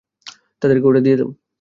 তাদেরকে ওটা দিয়ে দাও!